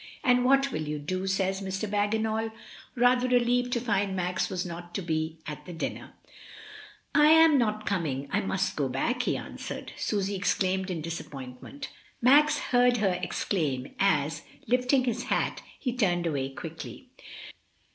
"And what will you do?" says Mr. Bagginal, rather relieved to find Max was not to be at the dinner. I04 MRS. DYMOND. '^I am not coining. I must go back/' he an swered. Susy exclaimed in disappointment Max heard her exclaim as, lifting his hat, he turned away quickly.